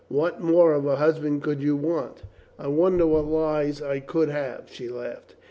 "What more of a husband could you want?" "I wonder what less I could have," she laughed.